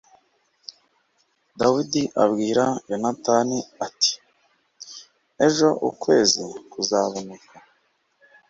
Dawidi abwira Yonatani ati “Ejo ukwezi kuzaboneka.